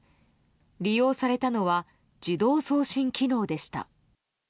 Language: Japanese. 利用されたのは自動送信機能でした。